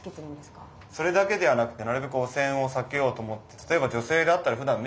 それだけではなくてなるべく汚染を避けようと思って例えば女性であったらえっ。